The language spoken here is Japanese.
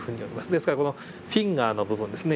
ですからこのフィンガーの部分ですね